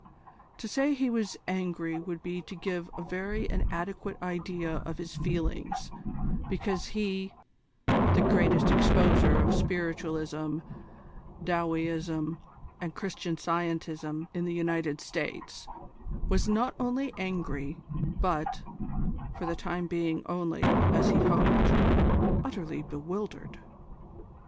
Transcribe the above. To say he was angry would be to give a very inadequate idea of his feelings, because he, the greatest exposer of Spiritualism, Dowieism, and Christian Scientism in the United States, was not only angry, but for the time being only, as he hoped utterly bewildered.